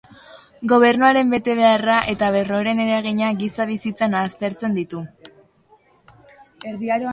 Gobernuaren betebeharra eta berorren eragina giza bizitzan aztertzen ditu.